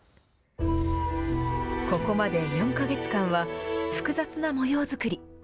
ここまで４か月間は複雑な模様づくり。